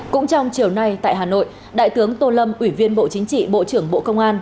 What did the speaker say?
cũng trong chiều nay tại hà nội đại tướng tô lâm ủy viên bộ chính trị bộ trưởng bộ công an